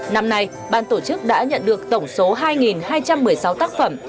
năm nay ban tổ chức đã nhận được tổng số hai hai trăm một mươi sáu tác phẩm